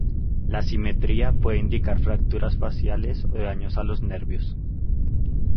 La asimetría puede indicar fracturas faciales o daños a los nervios.